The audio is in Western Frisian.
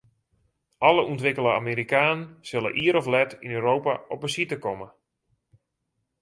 Alle ûntwikkele Amerikanen sille ier of let yn Europa op besite komme.